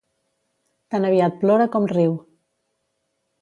Tan aviat plora com riu.